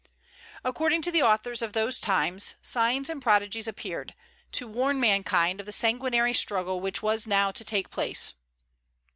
According to the authors of those times, signs and prodigies appeared, to warn mankind of the sanguinary struggle which was now to take place.